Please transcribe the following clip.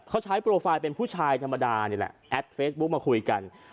เขาใช้โปรไฟล์เป็นผู้ชายธรรมดาแอดเฟสบุนมาคุยกัน